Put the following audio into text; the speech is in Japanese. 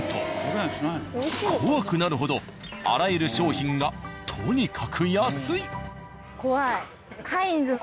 怖くなるほどあらゆる商品がとにかく安い。